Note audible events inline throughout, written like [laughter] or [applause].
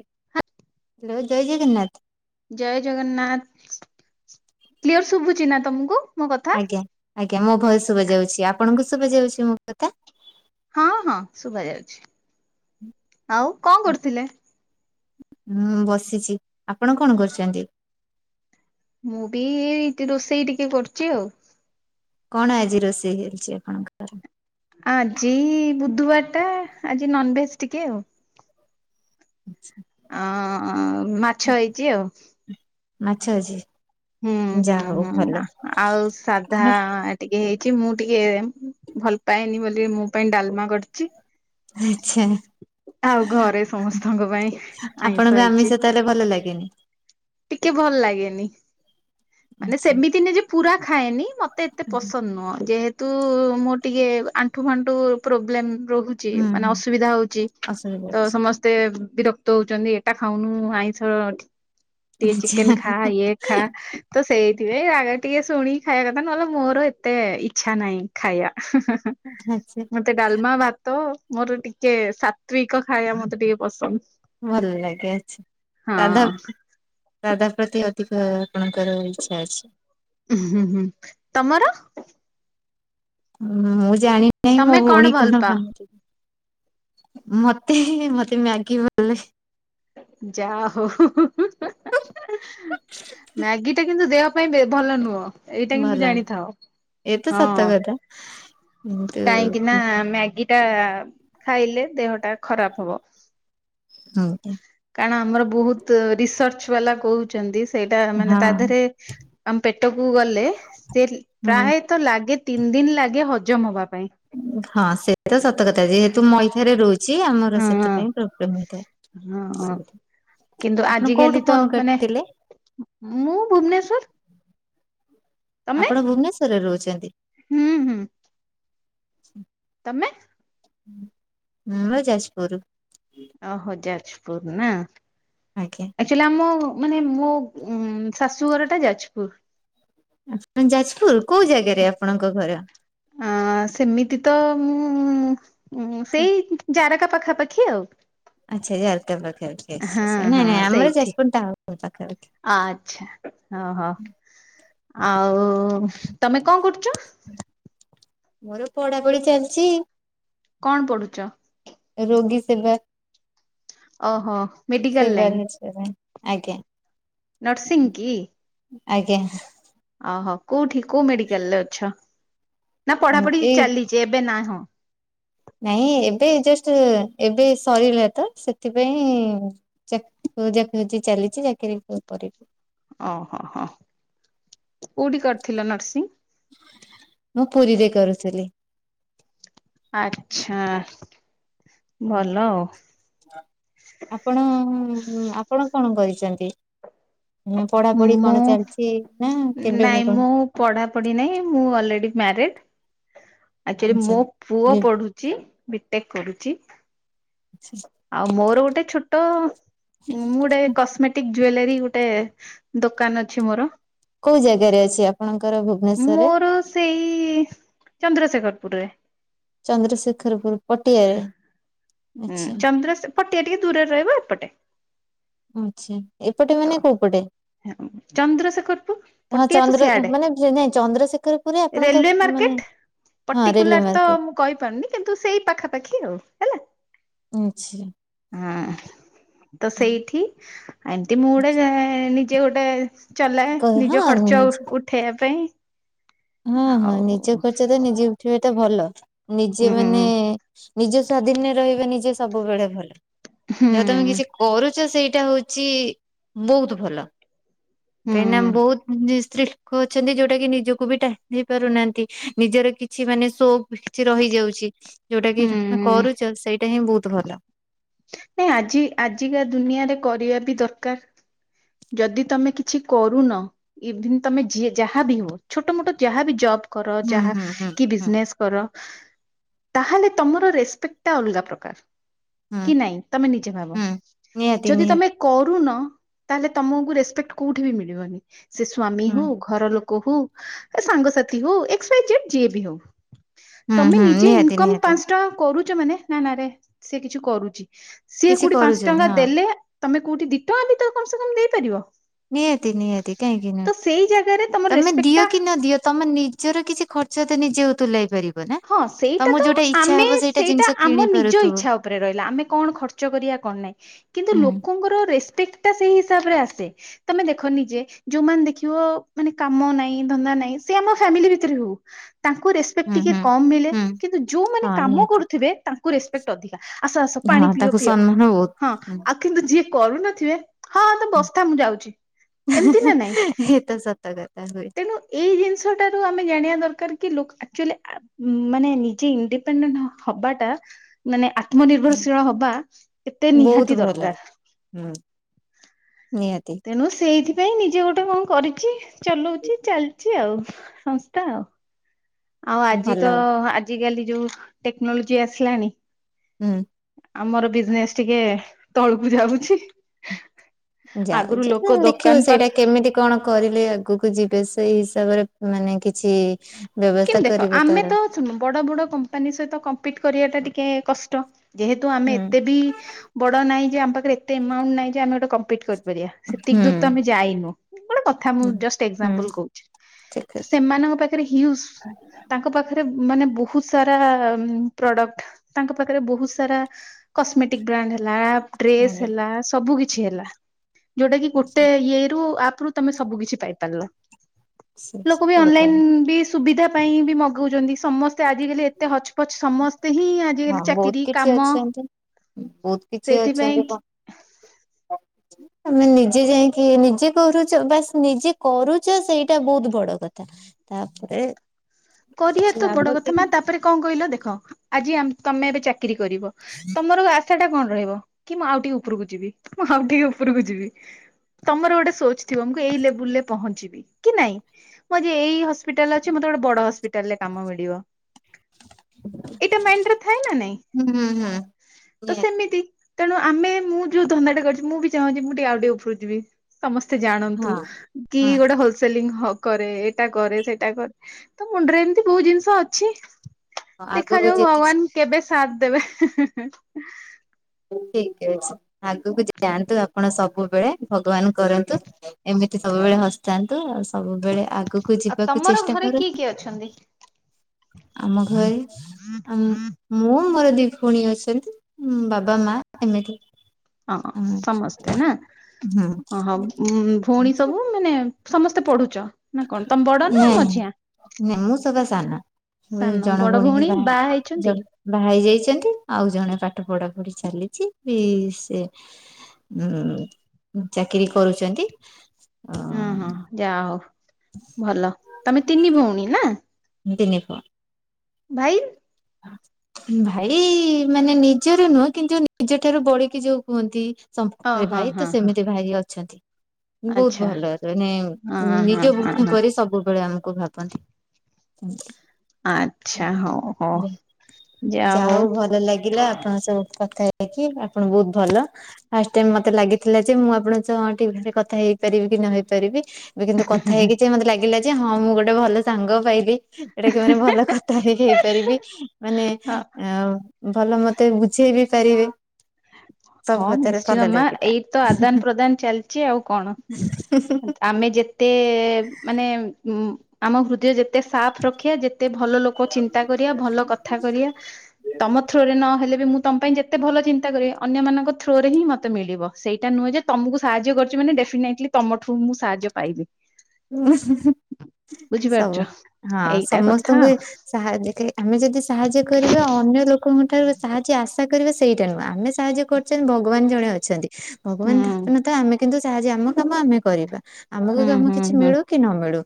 Hello ଜୟ ଜଗନ୍ନାଥ। ଜୟ Jagannath clear ଶୁଭୁଛି ନା ତମକୁ? ମୋ କଥା। ଆଜ୍ଞା ଆଜ୍ଞା ମୋ ଭଏସ ଶୁଭା ଯାଉଚି ଆପଣଙ୍କୁ ଶୁଭା ଯାଉଚି ମୋ କଥା? ହଁ ହଁ ଶୁଭା ଯାଉଚି ଆଉ କଣ କରୁଥିଲେ? ମୁଁ ବସିଚି ଆପଣ କଣ କରୁଚନ୍ତି? ମୁଁ ବି ଏଇଟି ରୋଷେଇ ଟିକେ କରୁଚି ଆଉ। କଣ ଆଜି ରୋଷେଇ ହେଲିଚି ଆପଣଙ୍କର? ଆଜି ବୁଧବାର ଟା ଆଜି ନନଭେଜ ଟିକେ ଆଉ। ଅଁ ମାଛ ହେଇଚି ଆଉ। ମାଛ ହେଇଚି? ହୁଁ ହୁଁ ହୁଁ ଆଉ ସାଧା ଟିକେ ହେଇ କି ମୁଁ ଟିକେ ଭଲ ପାଏନି ବୋଲି ମୋ ପାଇଁ ଡାଲମା କରିଚି। ଆଛା। ଆଉ ଘରେ ସମସ୍ତଙ୍କ ପାଇଁ ଆଇଁଷ ହେଇଚି। କେନ ଟିକେ ଭଲ ଲାଗେନି ମାନେ ଆଚ୍ଛା ସେମିତି ନୁହେଁ ଯେ ପୁରା ଖାଏନି ମତେ ଏତେ ପସନ୍ଦ ନୁହଁ ଯେହେତୁ ମୁଁ ଟିକେ ଆଣ୍ଠୁ ଫାଣ୍ଠୁ ପ୍ରୋବ୍ଲେମ୍ ରହୁଚି ହୁଁ ମାନେ ହୁଁ ଅସୁବିଧା ହଉଚି ଅସୁବିଧା ତ ଅଛି ସମସ୍ତେ ବିରକ୍ତ ହଉଚନ୍ତି ଏଇଟା ଖାଉନୁ ଆଇଁଷ ଟିକେ ଚିକେନ ଆଚ୍ଛା ଖା ଇଏ ଖା ତ ସେଇ ଇ ରାଗ ଟିକେ ଶୁଣିିକି ଖାଇବା କଥା ନହେଲେ ମୋର ହେତେ ଇଚ୍ଛା ନାହିଁ ଖାଇବା। ଆଚ୍ଛା ମତେ ଡାଲମା ଭାତ ମୋର ଟିକେ ସାତ୍ତ୍ୱିକ ଖାଇବା ମତେ ଟିକେ ପସନ୍ଦ। ଭଲ ଲାଗେ ଆଛା ହଁ ସାଧା ସାଧା ପ୍ରତି ଅଧିକ ଆପଣଙ୍କର ଇଚ୍ଛା ଅଛି। ହୁଁ ହୁଁ ହୁଁ ତମର ହୁଁ ମୁଁ ଜାଣିିନାହିଁ ମୋ ତମେ ଭଉଣୀ ଭଲ କଣ ପାଅ ବନେଇ ଥିବେ। ମତେ ମତେ ମ୍ୟାଗି ଭଲଲାଗେ। ଯା ହୋଉ ମ୍ୟାଗି ଟା କିନ୍ତୁ ଦେହ ପାଇଁ ଭଲ ନୁହଁ ଏଇଟା ଭଲ କିନ୍ତୁ ଜାଣିଥାଅ ଏ ତ ସତ ହଁ। କଥା କିନ୍ତୁ କାହିଁକି ନା ମ୍ୟାଗି ଟା ଖାଇଲେ ଦେହ ଟା ଖରାପ ହବ। ହୁଁ ଠିକ। କାରଣ ଆମର ବହୁତ ରିସର୍ଚ୍ଚ ବାଲା କହୁଚନ୍ତି ସେଇଟା ମାନେ ହଁ ତା ଦେହରେ ଆମ ପେଟକୁ ଗଲେ ସେ ବି ପ୍ରାୟତ ଲାଗେ ତିନି ଦିନ ଲାଗେ ହଜମ ହବା ପାଇଁ। ହଁ ସେ ତ ସତକଥା ଯେହେତୁ ମଇଦାରେ ରହୁଚି ଆମର ହଁ ସେଥିପାଇଁ ପ୍ରୋବ୍ଲେମ ହଁ ହେଇଥାଏ। କିନ୍ତୁ ଆପଣ ଆଜି କୋଉଠୁ କାଲି ତ ଫୋନ ମାନେ କରିଥିଲେ ମୁଁ ଭୁବନେଶ୍ଵର ତମେ ଆପଣ ଭୁବନେଶ୍ୱରରେ ରହୁଚନ୍ତି? ହୁଁ ହୁଁ। ଆଛା। ତମେ? ମୋର ଯାଜପୁର। ଓହୋ ଯାଜପୁର ନା ଆଜ୍ଞା ଆକ୍ଚୁଲି ଆମ ମାନେ ମୋ ଉଁ ଶାଶୁଘର ଟା ଯାଜପୁର। ଆଛା ଯାଜପୁର କୋଉ ଜାଗାରେ ଆପଣଙ୍କ ଘର? ଅଁ ସେମିତି ତ ମୁଁ ଉଁ ସେଇ ଜାର କା ପାଖାପାଖି ଆଉ। ଆଚ୍ଛା ଜାରକା ପାଖ ହଁ [unintelligible] ନାଇଁ ହଁ ନାଇଁ ଆମର ସେଇଠି ଯାଜପୁର ଟାଉନ ପାଖାପଖି। ଆଚ୍ଛା ଅ ହ ଆଉ ତମେ କଣ କରୁଚ? ମୋର ପଢାପଢି ଚାଲିଚି। କଣ ପଢୁଚ? ରୋଗୀ ସେବା ଓହୋ ମେଡିକାଲ ସେବା ଲାଇନ ବିଷୟରେ। ଆଜ୍ଞା। ନର୍ସିଂ କି? ଆଜ୍ଞା। ଓହୋ କୋଉଠି କୋଉ ମେଡିକାଲ ରେ ଅଛ ନା ପଢାପଢି ଏଇ ଚାଲିଚି ଏବେ ନା ହଁ? ନାଇଁ ଏବେ ଜଷ୍ଟ ଏବେ ସରିଲା ତ ସେଥିପାଇଁ ଚା ଖୋଜା ଖୋଜି ଚାଲିଚି ଚାକିରି ହୋଉ କରିବି। ଓହୋ ହୋ କୋଉଠି କରିଥିଲ ନର୍ସିଙ୍ଗ? ମୁଁ ପୁରୀରେ କରୁଥିଲି। ଆଚ୍ଛା। ଭଲ ଆଉ ଆପଣ ଆପଣ କଣ କରିଚ ଚନ୍ତି ନା ମୁଁ କେବେ ନାଇଁ କଣ ମୁଁ ପଢ଼ାପଢ଼ି ନାଇଁ ମୁଁ ଅଲରେଡି ମ୍ୟାରେଡ ଆକ୍ଚୁଲି ଆଛା। ମୋ ପୁଅ ପଢୁଚି ବି ଟେକ୍ କରୁଚି। ଆଉ ମୋର ଗୋଟେ ଛୋଟ ମୁଁ ଗୋଟେ କସ୍ମେଟିକ ଜୁଏଲାରୀ ଗୋଟେ ଦୋକାନ ଅଛି ମୋର। କୋଉ ଜାଗାରେ ଅଛି ଆପଣଙ୍କ? ମୋର ସେଇ ଚନ୍ଦ୍ରଶେଖର ପୁରରେ। ଚନ୍ଦ୍ରଶେଖରପୁର ପଟିଆରେ। ହୁଁ ଆଚ୍ଛା ଚନ୍ଦ୍ର ସେ ପଟିଆ ଟିକେ ଦୂରରେ ରହିବ ଏପଟେ। ଆଚ୍ଛା ଏପଟେ ତ ମାନେ କୋଉ ପଟେ? ଚନ୍ଦ୍ରଶେଖରପୁର ହଁ ପଟିଆ ତ ଚନ୍ଦ୍ର ସିଆଡେ ମାନେ ନାଇଁ ଚନ୍ଦ୍ରଶେଖର ପୁରେ ଆପଣଙ୍କର ମାନେ ହଁ ରେଲୱେ ପର୍ଟିକୁଲାର୍ ତ ମାର୍କେଟ ମୁଁ କହିପାରୁନି କିନ୍ତୁ ସେଇ ପାଖାପାଖି ଆଉ ହେଲା। ଆଚ୍ଛା। ହଁ ତ ସେଇଠି ଏମତି ମୁଁ ଗୋଟେ ଯେ ନିଜେ ଗୋଟେ ଚଲାଏ ନିଜ ହଁ ଖର୍ଚ୍ଚ ଉ- ନିଜେ ଉଠେଇବା ପାଇଁ। ହଁ, ହଁ ଆଉ ନିଜ ଖର୍ଚ୍ଚ ତ ନିଜେ ଉଠେଇବାଟା ଭଲ। ନିଜେ ହୁଁ ମାନେ ହୁଁ ନିଜ ସ୍ଵାଧୀନରେ ରହିବେ, ନିଜେ ସବୁବେଳେ ଭଲ। ଯହା ତୋମେ ହୁଁ କିଛି କରୁଚ ସେଇଟା ହଉଛି ବହୁତ ଭଲ। କାହିଁକିନା ବହୁତ ଯେ ସ୍ତ୍ରୀ ଲୋକ ଅଛନ୍ତି ଯୋଉଟା କି ନିଜ କୁ ବି ଟା ଦେଇ ପାରୁନାହାନ୍ତି। ନିଜର କିଛି ମାନେ ସୋପ୍ କିଛି ରହିଯାଉଛି। ଯୋଉଟା କି ତୋମେ ହୁଁ କରୁଚ ସେଇଟା ହିଁ ବହୁତ ଭଲ। ନାଇଁ ଆଜି ଆଜିକା ଦୁନିଆରେ କରିବା ବି ଦରକାର। ଯଦି ତୋମେ କିଛି କରୁନ, ଇଭିନ୍ ତୋମେ ଯିଏ ଯାହାବି ହୁଅ ଛୋଟ ମୋଟ ଯାହାବି ଜବ୍ କର, ହୁଁ ଯାହା ହୁଁ ହୁଁ କି ହୁଁ ବିଜନେସ୍ କର। ତାହେଲେ ତୋମର ରେସ୍ପେକଟ ଟା ଅଲଗା ପ୍ରକାର। ହୁଁ କି ନାଇଁ ତୋମେ ନିଜେ ଭାବ। ହୁଁ ନିହାତି ଯଦି ନିହାତି ତୋମେ କରୁନ ତାହେଲେ ତୋମକୁ ରେସପେକ୍ଟ କୋଉଠି ବି ମିଳିବନି। ସେ ସ୍ଵାମୀ ହୁଁ ହଉ, ଘର ଲୋକ କହୁ ଏ ସାଙ୍ଗସାଥି ହଉ, ଏକ୍ସ, ୱାଇ, ଜେଡ୍ ଯିଏ ବି ହଉ। ହୁଁ ତୋମେ ହୁଁ ନିଜେ ନିହାତି ଇନକମ୍ ନିହାତି ପାନ୍ସ ଟଙ୍କା କରୁଚ ମାନେ ନା ନା ରେ ସେ କିଛି କରୁଚି। ସିଏ କିଛି କୋଉଠି ପାନ୍ସ କରୁଛନ୍ତି ଟଙ୍କା ହଁ ଦେଲେ ତୋମେ କୋଉଠି ଦି ଟଙ୍କା ବି ତ କମ୍ ସେ କମ୍ ଦେଇପାରିବ। ନିହାତି ନିହାତି କାହିଁକି ତ ନୁହେଁ। ସେଇ ଜାଗାରେ ତମର ତୋମେ ରେସପେକ୍ଟ ଦିଅ ଟା କି ନ ଦିଅ ତୋମେ ନିଜର କିଛି ଖର୍ଚ୍ଚ ତ ନିଜେ ତୁଲାଇ ପାରିବ। ନା। ହଁ ସେଇଟା ତମକୁ ତ ଯୋଉଟା ଇଚ୍ଛା ଆମେ ହବ ସେଇଟା ଜିନିଷ ଆମ କିଣି ନିଜ ପାରୁଥିବ ଇଚ୍ଛା ଉପରେ ରହିଲା। ଆମେ କଣ ଖର୍ଚ୍ଚ କରିବା କଣ ନାଇ, କିନ୍ତୁ ହୁଁ ଲୋକଙ୍କର ରେସପେକ୍ଟ ସେଇ ହିସାବରେ ଆସ ଚେ ତୋମେ ଦେଖ ନିଜେ ଯୋଉମାନେ ଦେଖିବ ମାନେ କାମ ନାଇଁ ଧନ୍ଦା ନାଇଁ ସେ ଆମ ଫ୍ୟାମିଲି ଭିତିରେ ଯୋଉ ତାଙ୍କୁ ରେସପେକ୍ଟ ହୁଁ ଟିକେ ହୁଁ। କମ୍ ମିଳେ। ହୁଁ କିନ୍ତୁ ଯୋଉମାନେ ହଁ କାମ ନିହାତି କରୁଥିବେ ତାଙ୍କୁ ରେସପେକ୍ଟ ଅଧି ଆସ ଆସ ପାଣି ହଁ ପିଅ ତାକୁ ପିଅ, ସମ୍ମାନ ବହୁତ। ହଁ ହୁଁ। ଆଉ କିନ୍ତୁ ଯିଏ କରୁନଥିବେ ହଁ ତୁ ବସଥା ମୁଁ ଯାଉଛି। ଏମିତି ନା ନାଇଁ। ଏ ତ ସତ କଥା ହୁଏ। ତେଣୁ ଏଇ ଜିନିଷଟାରୁ ଆମେ ଜାଣିବା ଦରକାର ଲୋକ ଆକ୍ଚୁଆଲି ମାନେ ନିଜେ ଇଣ୍ଡିପେଣ୍ଡେଣ୍ଟ ହବାଟା ମାନେ ଆ ତ୍ମନିର୍ଭରଶୀଳ ହବା ଏତେ ବହୁତ ନିହାତି ଭଲ ଦରକାର। ହୁଁ ନିହାତି ତେଣୁ ସେ ସେଇଥିପାଇଁ ନିଜେ ଗୋଟେ କଣ କରିଚି। ଚଲଉଚି, ଚାଲିଚି ଆଉ ସଂସ୍ଥା ଆଉ। ଆଉ ଆଜି ଭଲ। ତ, ଆଜିିକାଲି ଯୋଉ ଟେକ୍ନୋଲୋଜି ଆସିଲାଣି। ହୁଁ ଆମର ବିଜନେସ୍ ଟିକେ ତଳକୁ ଯାଉଛି। ଆଗରୁ ଯାଉଚି ତ ଲୋକ ଦେଖିବୁ ଦୋକାନ ପାଖ ସେଇଟା କେମିତି କଣ କରିଲେ ଆଗକୁ ଯିବେ ସେଇ ସି ତାପରେ ମାନେ କିଛି କିନ୍ତୁ ବ୍ୟବସ୍ଥା ଦେଖ କରିବ ଆମେ ତାର ତ ସୁଣ ବଡ ବଡ କମ୍ପାନୀ ସହିତ କମ୍ପିଟ କରିବା ଟା ଟିକେ କଷ୍ଟ। ଯେହେତୁ ଆମେ ହୁଁ। ଏତେ ବି ବଡ ନାହିଁ ଯେ ଆମ ପାଖରେ ଏତେ ଏମାଉଣ୍ଟ ନାହିଁ ଆମେ ଗୋଟେ କମ୍ପିଟ କରି କରିପାରିବା ହୁଁ ସେତିକି ଦୂର ତ ଆମେ ଯାଇନୁ ଗୋଟେ କଥା ମୁ ହୁଁ ଜଷ୍ଟ ହୁଁ ଏକ୍ସଜାମ୍ପୁଲ କହୁଚି। ଠିକ ଅଛି। ତ ସେମାନଙ୍କ ପାଖରେ ହ୍ୱିଉଜ ତାଙ୍କ ପାଖରେ ମନେ ବହୁତ ସାରା ପ୍ରଡକ୍ଟ ତାଙ୍କ ପାଖରେ ବହୁତ ସାରା କସମେଟିକ ବ୍ରାଣ୍ଡ ହେଲା ଇପ୍ ଟ୍ରିପଜ୍ ହୁଁ ହେଲା ସବୁ କିଛି ହେଲା। ଯୋଉଟାକି ଗୋଟେ ଇଏରୁ ଏଥିରୁ ବି ତମେ ସବୁ କିଛି ପାଇପାରିବ। ସେ ଲୋକ ସତ ବି କଥା ଅନଲାଇନ ସିଧା ପାଇଁ ବି ମଗଉଛନ୍ତି। ସମସ୍ତେ ଆଜିିକାଲି ଏତେ ହଚ୍ ପଚ୍ ସମସ୍ତେ ହିଁ ହଁ ଆଜିିକାଲି ବହୁତ ଚାକିରି, କିଛି କାମ ଅଛନ୍ତି ବହୁତ କିଛି ସେଇଥିପାଇଁ ଅଛନ୍ତି କଣ? ଆମେ ନିଜେ ଯାଇକି ନିଜେ କରୁଚ ବାସ୍ ନିଜେ କରୁଚ ସେଇଟା ବହୁତ ବଡ କଥା। ତାପରେ କରିଆତ ଲାଭ ବଡ କେ କଥା ମା ହୁଁ ତାପରେ କଣ କହିଲ ଦେଖ ଆଜି ଆମ୍ ତମେ ଏବେ ଚାକି ବିକ୍ରି କରିବ। ତମର ଆ ସେଟା କଣ ରହିିବ କି ମୁଁ ଆଉ ଟିକେ ଉପରକୁ ଯିବି। ମୁଁ ଆଉ ଟିକେ ଉପରକୁ ଯିବି। ତମର ଗୋଟେ ସୋଚ୍ ଥିବ। ମୁଁ ଏଇ ଲେବୁଲରେ ପହଞ୍ଚିବି କି ନାଇଁ। ମୁଁ ଆଜି ଏଇ ହସ୍ପିଟାଲରେ ଅଛି ମୋତେ ଗୋଟେ ବଡ ହସ୍ପିଟାଲରେ କାମ ମିଳିବ। ଏଈଟା ମାଈଣ୍ଡରେ ଥାଏ ନା ନାଇଁ। ହୁଁ ହୁଁ ତ ନିହାତି ସେମିତି ତେଣୁ ଆମେ ମୁଁ ଯୋଉ ଧନ୍ଦାଟେ କରିଛି ମୁଁ ବି ଚାହୁଁଛି ମୁଁ ଟିକେ ଆଉ ଟିକେ ଉପୁରୁକୁ ଯିବି ସମସ୍ତେ ସେ ଜାଣନ୍ତୁ ହଁ କି ହଁ ଗୋଟେ ହୋଲସେଲିଂ ହଁ କରେ ଏଇଟା କରେ ସେଇଟା କରେ। ତ ମୁଣ୍ଡରେ ଏମିତି ବହୁତ ଜିନିଷ ଅଛି। ଆଗକୁ ଦେଖାଯାଉ ଯେତେ ଭଗବାନ କେବେ ସ ସାଥ୍ ଦେବେ ହେଁ ହେଁ। ଠିକ ଅଛି। ଆଗକୁ ଯାଆନ୍ତୁ ଆପଣ ସବୁବେଳେ ଭ ଭଗବାନ କରନ୍ତୁ ଏମିତି ସବୁବେଳେ ହସୁଥାନ୍ତୁ ଆଉ ସବୁବେଳେ ଆଗକୁ ଆଉ ଯିବାକୁ ତମର ଚେଷ୍ଟା ଘରେ କିଏ କରନ୍ତୁ। କିଏ ଅଛନ୍ତି? ଆମ ଘରେ ଆମ୍ ମୁଁ ମୋର ଦି ଭଉଣୀ ଅଛନ୍ତି। ବାବା, ମା ଫେମିଲି। ହଁ ସମସ୍ତେ ନା ନାଇଁ ଅହ ଭଉଣୀସବୁ ମାନେ ସମସ୍ତେ ପଢୁଛ ନା କଣ? ତମ ବଡ ନା ମଝିଆ? ନାଇଁ ମୁଁ ସବା ସାନ। ସାନ ଜଣେ ବଡ ଭଉଣୀ ହିଁ ବାହା ହେଇଛନ୍ତି ଜଣେ ବାହା ହେଇଯାଇଛନ୍ତି ଆଉ ଜଣେ ପାଠ ପଢ ଚାଲିଛି ବି ସେ ଉ ଚାକିରି କରୁଛନ୍ତି। ଅ ଓ ହୋ। ଯା ହଉ! ଭଲ ତମେ ତିନି ଭଉଣୀ ନା? ଦିନିଫ ଭାଇ ଭାଇ ମାନେ ନିଜର ନୁହଁ, କିନ୍ତୁ ନିଜ ଠାରୁ ବଳିକି ଯୋଉ କୁହନ୍ତି। ଓ ସମ୍ପର୍କରେ ହଁ ଭାଇ ହଁ ତ ହଁ ସେମିତି ଭାଇ ଅଛନ୍ତି। ବହୁତ ଆଚ୍ଛା। ଭଲ ମାନେ ହଁ ହଁ ନିଜ ହଁ [unintelligible] ହଁ ପରି ସବୁବେଳେ ଆମକୁ ଭାବନ୍ତି। ଆଛା! ହଉ ହ ଯା ଯା ହଉ ଭଲ ଲାଗିଲା ଆଉ ସବୁ କଥା ହେଇକି ଆପଣଙ୍କୁ ଭଲ। ଫାଷ୍ଟ ଟାଇମ ମତେ ଲାଗିଥିଲା ଯେ ମୁଁ ଆପଣଙ୍କ ଚ କଥା ହେଇପାରିବି କି ନ ହେଇ ପାରିବି ବି କିନ୍ତୁ କଥା ହୁଁ ହୁଁ ହେଇକି ଯେ ମତେ ଲାଗିଲା ଯେ ହଁ ମୁଁ ଗୋଟେ ଭଲ ସାଙ୍ଗ ପାଇ ସେଟା କି ମାନେ ଭଲ କଥା ହେ ହେଇପାରିବି ମାନେ ଅ ଆଉ ଭଲ ମତେ ବୁଝେଇ ବି ପାରିବେ। ସବୁ ହଁ କଥାରେ ଭଲ ନିଶ୍ଚିତ ମା ଲାଗିଲା। ଏଇ ତ ଆଦାନ ପ୍ରଦାନ ଚାଲିଛି ଆଉ କଣ। ଆମେ ଯେତେ ମାନେ ଉ ଆମ ହୃଦୟ ଯେତେ ସାଫ ରଖିବା ଯେତେ ତେ ଭଲ ଲୋକ ଚିନ୍ତା କରିବା ଭଲ କଥା କରିଆ ତମ ଥ୍ରୋରେ ନହଲେ ମୁଁ ତମ ପାଇଁ ଯେତେ ଭଲ ଚିନ୍ତା କରିବି ଅନ୍ୟମାନଙ୍କ ଥ୍ରୋରେ ହିଁ ମତେ ମିଳିବ। ସେଇଟା ନୁହେଁ ଯେ ତମକୁ ସାହାଯ୍ୟ କରୁଛି ମାନେ ଡେଫିନେଟଲି ତମଠୁ ମୁଁ ସାହାଯ୍ୟ ପାଇବି। ଉହୁଁ ହହ। ବୁଝିପାରୁଛ ସବୁ ହଁ ଏଇଟା କଥା ସମସ୍ତଙ୍କୁ ସାହା ଆମେ ଯଦି ସାହାଯ୍ୟ କରିବା ଅନ୍ୟ ଲୋକଙ୍କୁ ଠାରୁ ସାହାଯ୍ୟ ଆଶା କରିବା ସେଇଟା ନୁହେଁ ଆମେ ସାହାଯ୍ୟ କରୁଛଛନ୍ତି ଭଗବାନ ଜଣେ ଅଛନ୍ତି। ହୁଁ ଭଗବାନ [unintelligible] ତ ଆମେ କିନ୍ତୁ ସାହାଯ୍ୟ ଆମ କାମ ଆମେ କରିବା ଆମକୁ କାମ କିଛି ହୁଁ-ହୁଁ-ହଁ ମିଳୁ କି ନ ମିଳୁ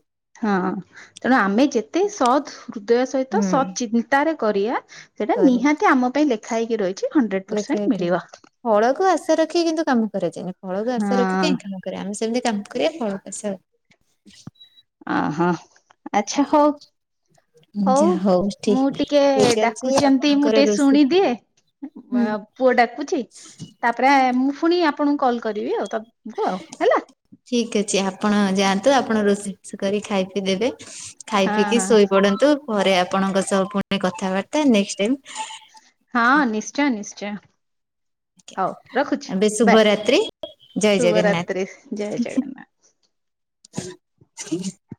ତେଣୁ ଆମେ ଯେତେ ସଦ୍ ହୃଦୟ ସହିତ ହୁଁ ସତ୍ ଚିନ୍ତାରେ କରିଆ ସେଟା ସରି ନିହାତି ଆମ ପାଇଁ ଲେଖା ହେଇକି ରହି ହନଡ୍ରେଡ ଲେଖା ପରସେନ୍ଟ ହେଇଥିବ। ମିଳିବ। ଫଳକୁ ଆଶା ରଖି କିନ୍ତୁ କାମ କରାଯାଏନି। ଫଳକୁ ହଁ। ଆଶା ରଖି କାହିଁ କାମ କରିବା ସେମିତି କାମ କରିବା। ଫଳକୁ ଆଶା ଅ ହୋ। ଆଚ୍ଛା ହଉ। ହଉ। ଯାହା ଠିକ ମୁଁ ଟିକେ ଠିକ ଅଛି ଡାକୁଛନ୍ତି। ମୁଁ ଆପଣଙ୍କର ଟିକେ ରୋଷେଇ ଶୁଣିଦିଏ। ହୁଁ। ପୁଅ ଡାକୁଛି। ତାପରେ, ମୁଁ ପୁଣି ଆପଣଙ୍କୁ କଲ କରିବି। ଆଉ ତ ଠିକ ଅଛି। ଆପଣ ଯାଆନ୍ତୁ, ଆପଣ ରୋଷେଇ ଫୋଷେଇ କର ଖାଇ ପିଇ ଦେବେ। ଖାଇ ହଁ ପିଇକି ହଁ ଶୋଇ ପଡନ୍ତୁ। ପରେ ଆପଣଙ୍କ ସହ, ପୁଣି କଥାବାର୍ତ୍ତା ନେକ୍ସ୍ଟ ହଁ, ନିଶ୍ଚୟ-ନିଶ୍ଚୟ। ହଉ ରଖୁଛି। ଏବେ ବାଏ। ଶୁଭରାତ୍ରି ଜୟ ଶୁଭ ଜଗନ୍ନାଥ ରାତ୍ରି। ଜୟ ଜଗନ୍ନାଥ। [inaudible]